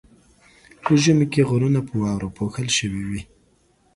په ژمي کې غرونه په واورو پوښل شوي وي.